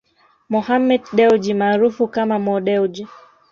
Mohammed Dewji maarufu kama Mo Dewji